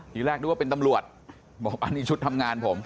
ทีแรกนึกว่าเป็นตำรวจบอกอันนี้ชุดทำงานผม